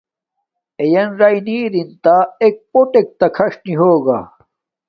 اݵیَن رَئی نݵ رِن تݳ اݵک پݸٹݵک تݳ کھَݽ نݵ ہݸگݳ.